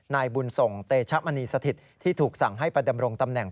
นายบุญส่งเตชมณีสถิตที่ถูกสั่งให้ไปดำรงตำแหน่ง